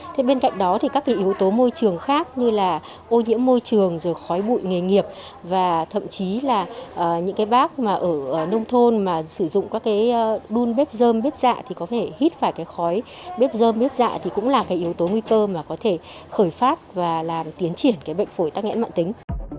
thế bên cạnh đó thì các yếu tố môi trường khác như là ô nhiễm môi trường rồi khói bụi nghề nghiệp và thậm chí là những bác ở nông thôn mà sử dụng các đun bếp dơm bếp dạ thì có thể hít phải khói bếp dơm bếp dạ thì cũng là yếu tố nguy cơ mà có thể khởi phát và tiến triển bệnh phổi tắc nghẽn mạng tính